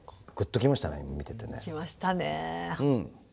きましたね。